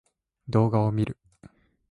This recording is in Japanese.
動画を見る